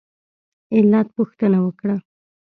علت پوښتنه وکړه.